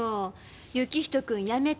行人君やめて。